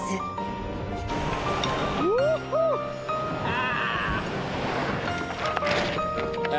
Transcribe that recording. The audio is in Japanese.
ああ！